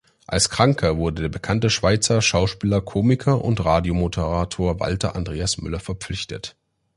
Als „Kranker“ wurde der bekannte Schweizer Schauspieler, Komiker und Radiomoderator Walter Andreas Müller verpflichtet.